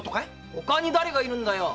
他に誰がいるんだよ！